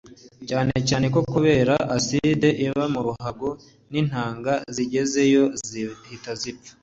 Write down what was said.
cyane cyane ko kubera acide iba mu ruhago n’intanga zigezeyo zihita zipfa